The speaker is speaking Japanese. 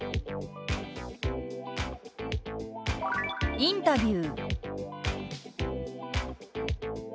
「インタビュー」。